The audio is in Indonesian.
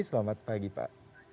selamat pagi pak